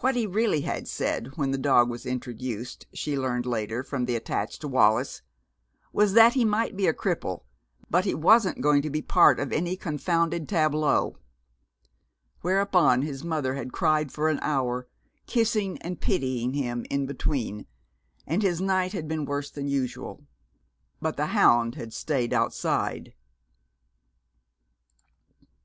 What he really had said when the dog was introduced, she learned later from the attached Wallis, was that he might be a cripple, but he wasn't going to be part of any confounded tableau. Whereupon his mother had cried for an hour, kissing and pitying him in between, and his night had been worse than usual. But the hound had stayed outside.